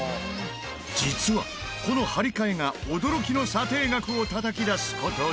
実はこの張り替えが驚きの査定額をたたき出す事に！